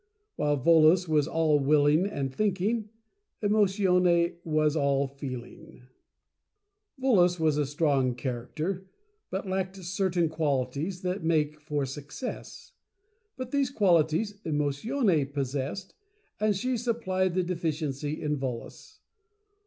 While Volos was all Willing and Thinking, Emotione was all Feeling. FIRE AND WATER. Volos was a Strong Character, but lacked certain qualities that make for Success — but these qualities Emotione possessed, and she supplied the deficiency in Volos.